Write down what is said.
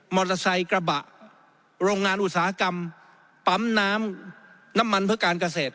เตอร์ไซค์กระบะโรงงานอุตสาหกรรมปั๊มน้ำน้ำมันเพื่อการเกษตร